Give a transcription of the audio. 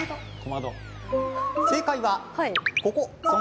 正解はそう、ここ。